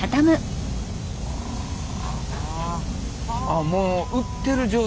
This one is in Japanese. あっもう売ってる状態だ。